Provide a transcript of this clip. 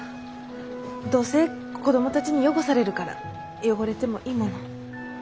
どうせ子供たちに汚されるから汚れてもいいものを。